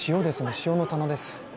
塩の棚です。